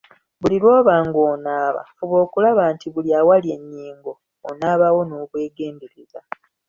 Buli lw'oba ng'onaaba, fuba okulaba nti, buli awali ennyingo onaba wo n'obwegendereza.